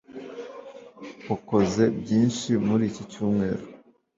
Wakoze byinshi muri iki cyumweru